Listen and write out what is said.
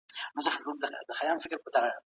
به د دغو ډزو له امله خپل خوږ ژوند له لاسه ورکړ.